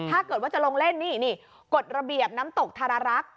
ถ้าเกิดว่าจะลงเล่นนี่นี่กฎระเบียบน้ำตกธารรักษ์